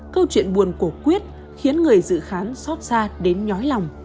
câu chuyện buồn của quyết khiến người dự khán xót xa đến nhói lòng